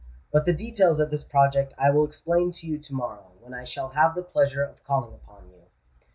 But the details of this project I will explain to you to morrow, when I shall have the pleasure of calling upon you.